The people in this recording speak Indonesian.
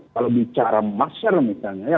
kalau bicara masker misalnya